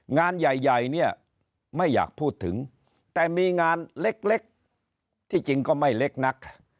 งานใหญ่เนี่ยไม่อยากพูดถึงแต่มีงานเล็กที่จริงก็ไม่เล็กนัก